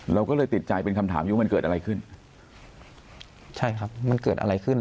เราก็เลยติดใจเป็นคำถามอยู่ว่ามันเกิดอะไรขึ้น